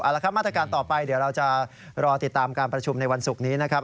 เอาละครับมาตรการต่อไปเดี๋ยวเราจะรอติดตามการประชุมในวันศุกร์นี้นะครับ